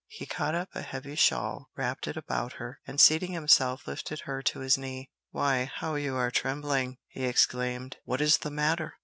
He caught up a heavy shawl, wrapped it about her, and seating himself lifted her to his knee. "Why, how you are trembling!" he exclaimed. "What is the matter?"